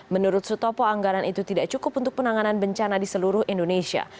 menurut sutopo anggaran itu tidak cukup untuk penanganan bencana di seluruh indonesia